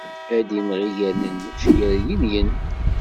Ad d-imɣi gerninuc gar yinyen.